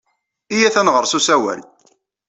Iyyat ad nɣer s usawal.